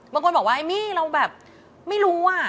บางคนบอกว่าไอ้มี่เราแบบไม่รู้อ่ะ